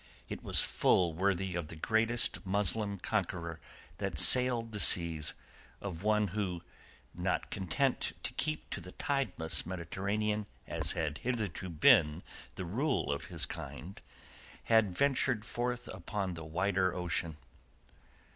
It was full worthy of the greatest Muslim conqueror that sailed the seas, of one who, not content to keep to the tideless Mediterranean as had hitherto been the rule of his kind, had ventured forth upon the wider ocean.